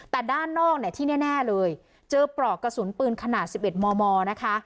แต่ด้านนอกเนี่ยที่แน่เลยเจอปลอกกระสุนปืนขนาด๑๑มมนะคะ